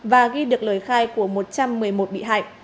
và ghi được lời khai của một trăm một mươi một bị hại